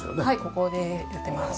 ここでやってます。